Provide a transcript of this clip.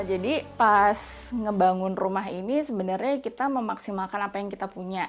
jadi pas ngebangun rumah ini sebenarnya kita memaksimalkan apa yang kita punya